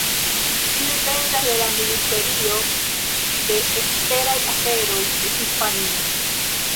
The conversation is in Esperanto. Ĝi dependas de la Ministerio de Eksteraj Aferoj de Hispanio.